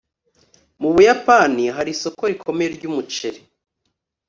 mu buyapani hari isoko rikomeye ryumuceri